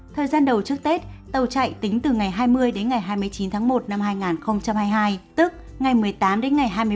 thời gian đầu trước tết tàu chạy tính từ ngày hai mươi hai mươi chín một hai nghìn hai mươi hai tức ngày một mươi tám hai mươi bảy một mươi hai âm lịch